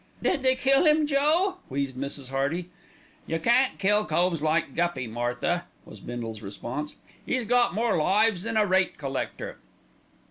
"Did they kill 'im, Joe?" wheezed Mrs. Hearty. "You can't kill coves like Guppy, Martha," was Bindle's response. "'E's got more lives than a rate collector."